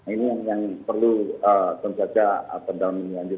ini yang perlu penjajah pendalaman menilai